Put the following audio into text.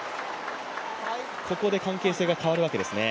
ここで関係性が変わるわけですね。